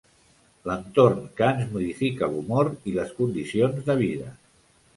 L'entorn que ens modifica l'humor i les condicions de vida.